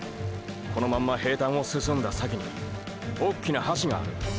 このまんま平坦を進んだ先におっきな橋がある。